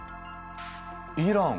イラン